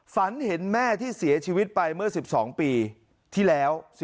ฝันเห็นแม่ที่เสียชีวิตไปเมื่อ๑๒ปีที่แล้ว